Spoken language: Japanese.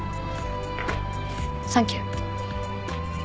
サンキュー。